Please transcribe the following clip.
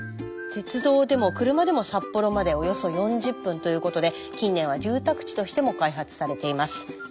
鉄道でも車でも札幌までおよそ４０分ということで近年は住宅地としても開発されています。